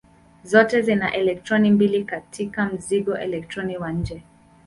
Zote zina elektroni mbili katika mzingo elektroni wa nje.